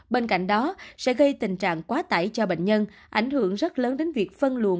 bên cạnh đó sẽ gây tình trạng quá tải cho bệnh nhân ảnh hưởng rất lớn đến việc phân luồ